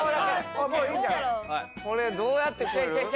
これどうやってくる？